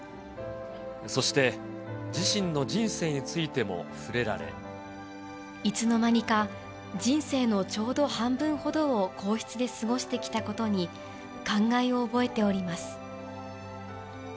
そして自身の人生についてもいつの間にか、人生のちょうど半分ほどを皇室で過ごしてきたことに感慨を覚えております。